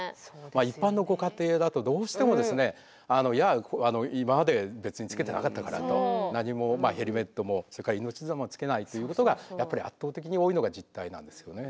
一般のご家庭だとどうしてもですねいや今まで別につけてなかったから何もまあヘルメットもそれから命綱もつけないということがやっぱり圧倒的に多いのが実態なんですよね。